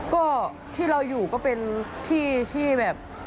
ก็ที่เราอยู่ก็เป็นที่ที่แบบ